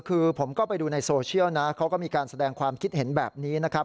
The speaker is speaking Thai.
คือผมก็ไปดูในโซเชียลนะเขาก็มีการแสดงความคิดเห็นแบบนี้นะครับ